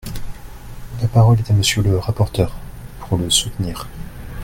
La parole est à Monsieur le rapporteur, pour le soutenir.